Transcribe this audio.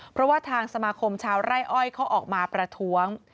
เพราะว่าทางสมาคมชาวไร่อ้อยเขาออกมาประท้วง